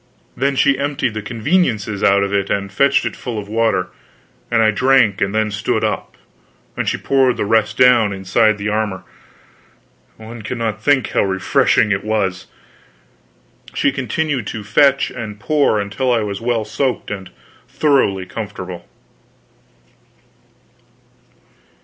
Then she emptied the conveniences out of it and fetched it full of water, and I drank and then stood up, and she poured the rest down inside the armor. One cannot think how refreshing it was. She continued to fetch and pour until I was well soaked and thoroughly comfortable.